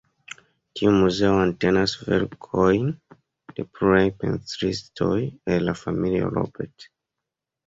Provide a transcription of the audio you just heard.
Tiu muzeo entenas verkojn de pluraj pentristoj el la familio Robert.